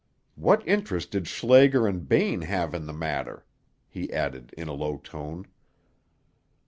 "What interest did Schlager and Bain have in the matter?" he added in a low tone.